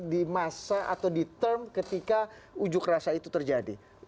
di masa atau di term ketika ujuk rasa itu terjadi